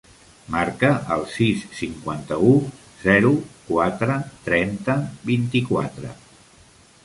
Marca el sis, cinquanta-u, zero, quatre, trenta, vint-i-quatre.